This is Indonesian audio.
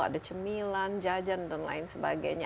ada cemilan jajan dan lain sebagainya